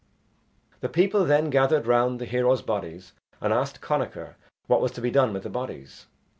The people then gathered round the heroes' bodies and asked Connachar what was to be done with the bodies.